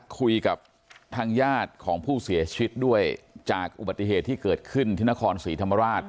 คุยกับทางญาติของผู้เสียชีวิตด้วยจากอุบัติเหตุที่เกิดขึ้นที่นครศรีธรรมราช